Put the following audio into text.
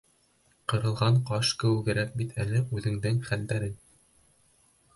— Ҡырылған ҡаш кеүегерәк бит әле үҙеңдең хәлдәрең.